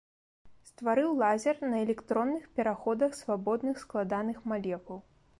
Стварыў лазер на электронных пераходах свабодных складаных малекул.